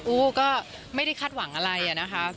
อู้ก็ไม่ได้คาดหวังอะไรอะนะคะ